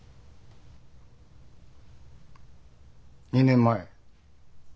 ２年前。